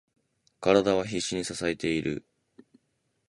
体は必死に支えている。